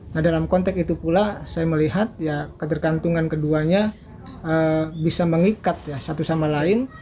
nah dalam konteks itu pula saya melihat ya ketergantungan keduanya bisa mengikat ya satu sama lain